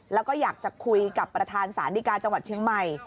และก็อยากจะคุยกับประธานสารดิากาจรังหวัดชื่อมัย